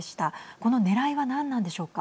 このねらいは何なんでしょうか。